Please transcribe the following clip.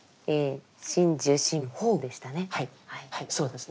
身受心法でしたね。